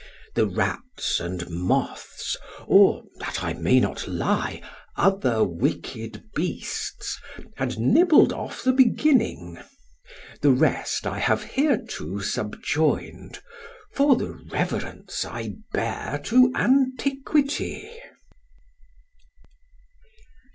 The rats and moths, or (that I may not lie) other wicked beasts, had nibbled off the beginning: the rest I have hereto subjoined, for the reverence I bear to antiquity.